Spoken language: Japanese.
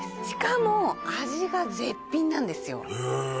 しかも味が絶品なんですよへえ